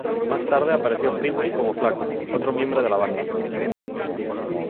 Más tarde apareció en "Freeway" como Flaco, otro miembro de la banda.